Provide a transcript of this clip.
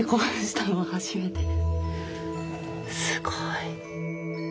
すごい。